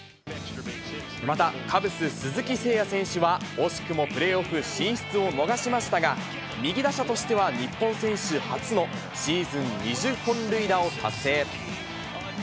また、カブス、鈴木誠也選手は、惜しくもプレーオフ進出を逃しましたが、右打者としては日本選手初のシーズン２０本塁打を達成。